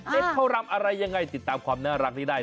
เข้ารำอะไรยังไงติดตามความน่ารักนี้ได้